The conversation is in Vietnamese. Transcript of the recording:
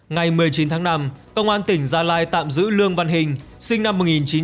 ngày một mươi chín tháng năm công an tỉnh gia lai tạm giữ lương văn hình sinh năm một nghìn chín trăm tám mươi